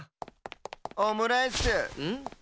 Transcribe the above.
オムライスん？